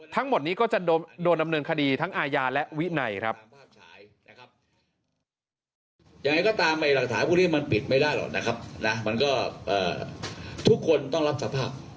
ทั้งหมดนี้ก็จะโดนดำเนินคดีทั้งอาญาและวินัยครับ